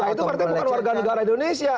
nah itu berarti bukan warga negara indonesia